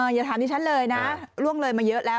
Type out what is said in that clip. อย่าถามดิฉันเลยนะล่วงเลยมาเยอะแล้ว